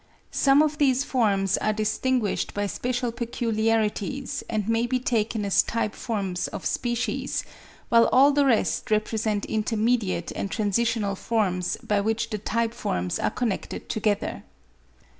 Some of these forms are distinguished by special peculiarities and may be taken as type forms of species, while all the rest represent intermediate and transitional forms by which the type forms are connected together.